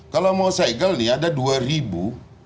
kalau mau segel nih ada dua ribu